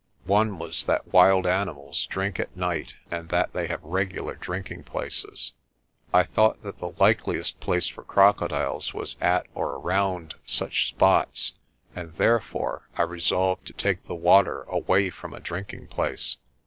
One was that wild animals drink at night and that they have regular drinking places. I thought that the like liest place for crocodiles was at or around such spots and, therefore, I resolved to take the water away from a drinking place.